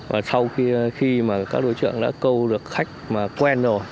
và sau khi các đối tượng đã câu được khách quen rồi